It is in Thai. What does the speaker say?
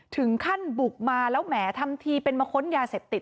ถึงขั้นบุกมาแล้วแหมทำทีเป็นมาค้นยาเสพติด